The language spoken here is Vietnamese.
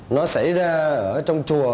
nó xảy ra ở trong chùa